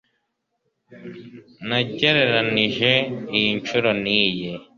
Nagereranije iyi shusho niyi